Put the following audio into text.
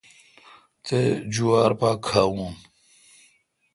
تے°جوار پا کھاوون۔